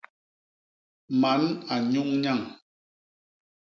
Man a nnyuñ nyañ.